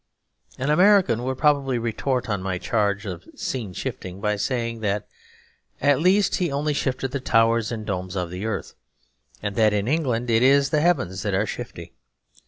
An American would probably retort on my charge of scene shifting by saying that at least he only shifted the towers and domes of the earth; and that in England it is the heavens that are shifty.